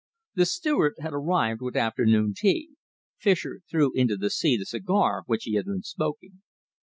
The steward had arrived with afternoon tea. Fischer threw into the sea the cigar which he had been smoking.